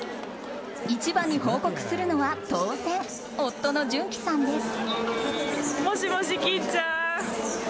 一番に報告するのは当然夫の潤熙さんです。